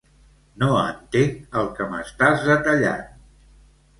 No entenc el que m'estàs detallant.